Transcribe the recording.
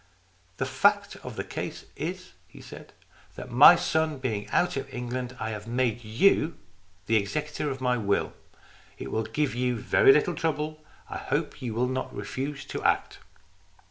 " The fact of the case is," he said, " that my son being out of England, I have made you the exe cutor of my will. It will give you very little trouble. I hope you will not refuse to act."